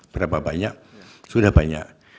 berapa banyak sudah banyak